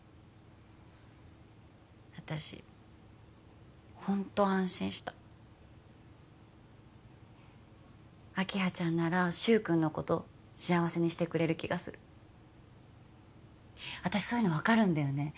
私ホント安心した明葉ちゃんなら柊君のこと幸せにしてくれる気がする私そういうの分かるんだよね